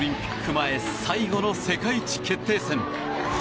前最後の世界一決定戦。